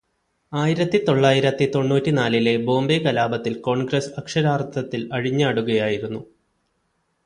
ആയിരത്തി തൊള്ളായിരത്തി തൊണ്ണൂറ്റിനാലിലെ ബോംബെ കലാപത്തില് കോണ്ഗ്രസ്സ് അക്ഷരാര്ത്ഥത്തില് അഴിഞ്ഞാടുകയായിരുന്നു.